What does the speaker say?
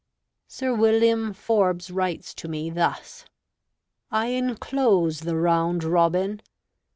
Sir William Forbes writes to me thus: "I inclose the 'Round Robin.'